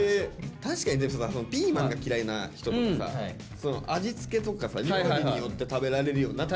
確かにピーマンが嫌いな人ってさ味付けとかさ料理によって食べられるようになったりするじゃん。